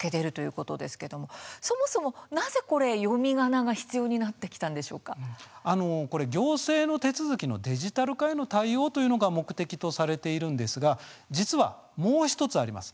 そもそもなぜ読みがなが必要に行政の手続きのデジタル化への対応というのが目的とされているんですが実は、もう１つあります。